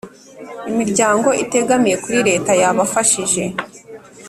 Imiryango itegamiye kuri Leta yabafashije